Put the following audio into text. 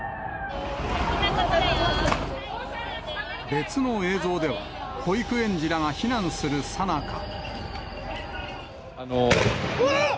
別の映像では、保育園児らが避難するさなか。